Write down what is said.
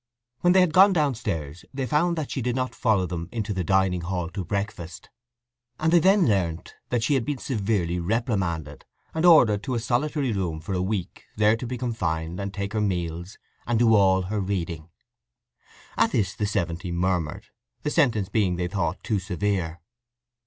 When they had gone downstairs they found that she did not follow them into the dining hall to breakfast, and they then learnt that she had been severely reprimanded, and ordered to a solitary room for a week, there to be confined, and take her meals, and do all her reading. At this the seventy murmured, the sentence being, they thought, too severe.